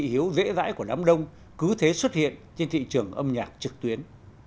dễ hiểu dễ dãi của đám đông cứ thế xuất hiện trên thị trường âm nhạc trực tuyến